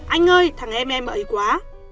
anh ơi thằng em em ấy quá